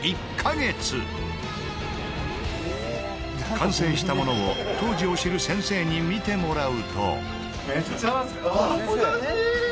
完成したものを当時を知る先生に見てもらうと。